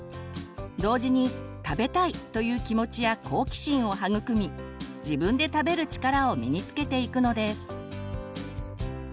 同時に「食べたい」という気持ちや好奇心を育み自分で食べる力を身につけていくのです。